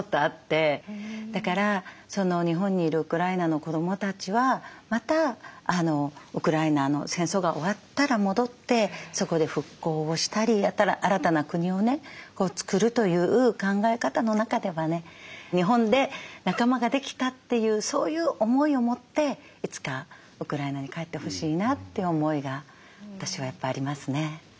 だから日本にいるウクライナの子どもたちはまたウクライナの戦争が終わったら戻ってそこで復興をしたり新たな国をね作るという考え方の中ではね日本で仲間ができたっていうそういう思いを持っていつかウクライナに帰ってほしいなって思いが私はやっぱりありますね。